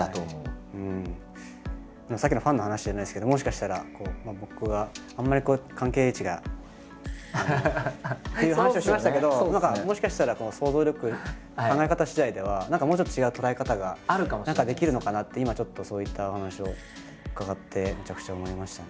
さっきのファンの話じゃないですけどもしかしたら僕はあんまり関係値がっていう話をしましたけど何かもしかしたらこの想像力考え方しだいではもうちょっと違う捉え方が何かできるのかなって今ちょっとそういったお話を伺ってめちゃくちゃ思いましたね。